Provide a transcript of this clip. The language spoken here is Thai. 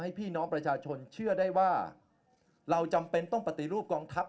พี่น้องประชาชนเชื่อได้ว่าเราจำเป็นต้องปฏิรูปกองทัพ